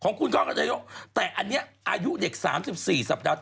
ของคุณก้อนกระจายกแต่อันนี้อายุเด็ก๓๔สัปดาห์